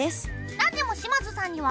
なんでも島津さんには。